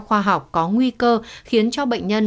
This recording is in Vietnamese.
khoa học có nguy cơ khiến cho bệnh nhân